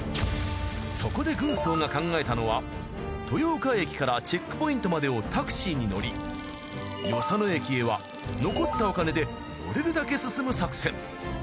そこで軍曹が考えたのは豊岡駅からチェックポイントまでをタクシーに乗り与謝野駅へは残ったお金で乗れるだけ進む作戦。